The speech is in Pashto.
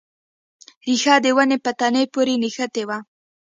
ریښه د ونې په تنې پورې نښتې وه.